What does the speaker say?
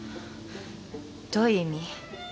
どういう意味？